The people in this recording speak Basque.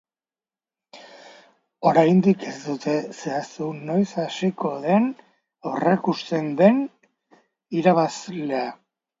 Oraindik ez dute zehaztu noiz hasiko den epaiketa, baina irailerako aurreikusten da.